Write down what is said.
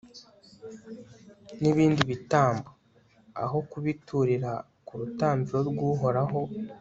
n'ibindi bitambo, aho kubiturira ku rutambiro rw'uhoraho